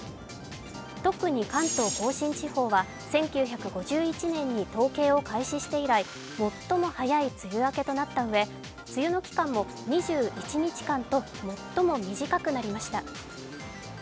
特に関東甲信地方は１９５１年に統計を開始して以来、最も早い梅雨明けとなったうえ、梅雨の期間も２１日間と最も短くなりました。